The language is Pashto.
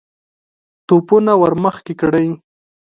توپونه ور مخکې کړئ!